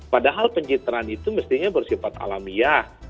padahal pencitraan itu mestinya bersifat alamiah